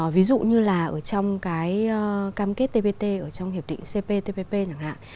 ví dụ như là ở trong cái cam kết tbt ở trong hiệp định cptpp chẳng hạn